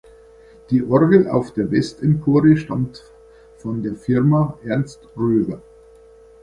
Die Orgel auf der Westempore stammt von der Firma Ernst Röver.